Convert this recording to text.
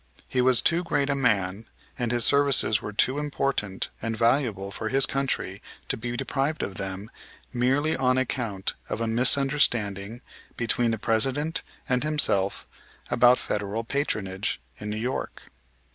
He was too great a man, and his services were too important and valuable for his country to be deprived of them merely on account of a misunderstanding between the President and himself about Federal patronage in New York.